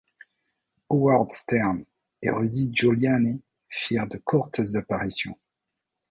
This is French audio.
Howard Stern et Rudy Giuliani firent de courtes apparitions.